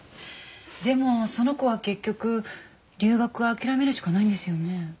でもその子は結局留学諦めるしかないんですよね？